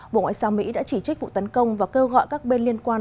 bộ ngoại giao mỹ đã chỉ trích vụ tấn công và kêu gọi các bên liên quan